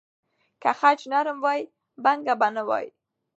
که خج نرم وای، بڼکه به نه وای.